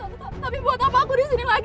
tante tapi buat apa aku disini lagi